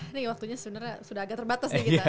ini waktunya sebenarnya sudah agak terbatas nih kita